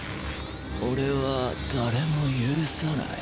俺は誰も許さない。